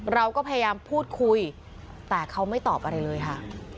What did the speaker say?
เราก็พยายามพูดคุยแต่เขาไม่ตอบอะไรเลยค่ะ